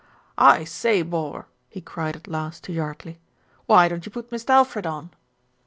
"I say, bor," he cried at last to Yardley. "Why don't you put Mist' Alfred on?"